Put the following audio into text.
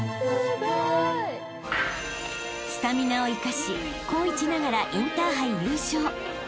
［スタミナを生かし高１ながらインターハイ優勝］